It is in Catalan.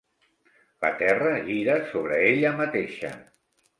La Terra gira sobre ella mateixa.